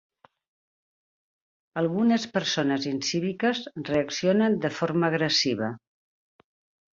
Algunes persones incíviques reaccionen de forma agressiva.